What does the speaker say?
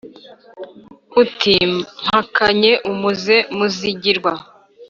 Uti: mpakanye umuze Muzigirwa